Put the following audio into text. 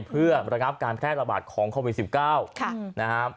เพื่อระงับการแพร่ระบาดของโควิดสิบเก้านะฮะ